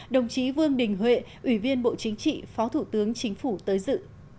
đồng chí vương đình huệ ủy viên bộ chính trị phó thủ tướng chính phủ tới dự